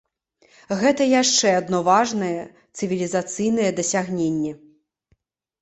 Гэта яшчэ адно важнае цывілізацыйнае дасягненне.